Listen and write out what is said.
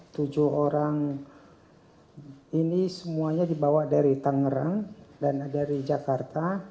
tujuh orang ini semuanya dibawa dari tangerang dan dari jakarta